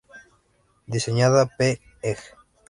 Diseñaba p. ej.